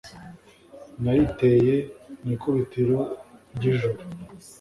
Nariteye mu ikubitiro ry ijoro